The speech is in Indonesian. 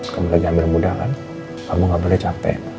kamu lagi ambil mudah kan kamu gak boleh capek